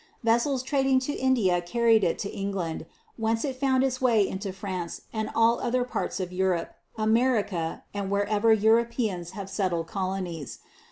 Vessels trading to India carried it to England, whence it found its way into France and all other parts of Europe, America, and wherever Europeans have settled colonies.